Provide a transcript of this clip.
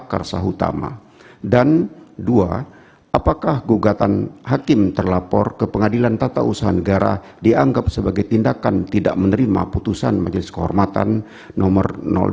karsa utama dan dua apakah gugatan hakim terlapor ke pengadilan tata usaha negara dianggap sebagai tindakan tidak menerima putusan majelis kehormatan nomor dua